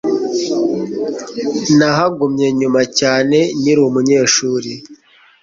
Nahagumye nyuma cyane nkiri umunyeshuri